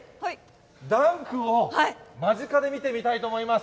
ダンクを間近で見てみたいと思います。